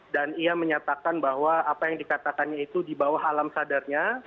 ia menyatakan bahwa apa yang dikatakannya itu di bawah alam sadarnya